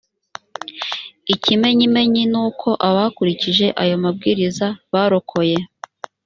ikimenyimenyi ni uko abakurikije ayo mabwiriza barokoye